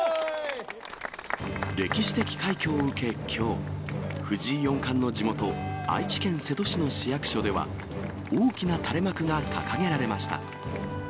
歴史的快挙を受け、きょう、藤井四冠の地元、愛知県瀬戸市の市役所では、大きな垂れ幕が掲げられました。